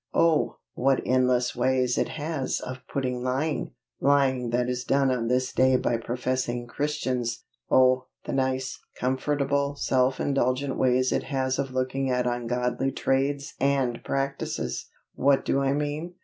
_ Oh! what endless ways it has of putting lying! lying that is done on this day by professing Christians! Oh, the nice, comfortable, self indulgent ways it has of looking at ungodly trades and practices! What do I mean?